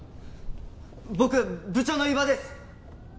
僕部長の伊庭です！